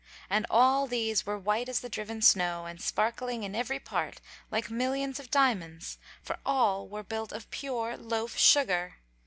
And all these were white as the driven snow and sparkling in every part like millions of diamonds for all were built of pure loaf sugar!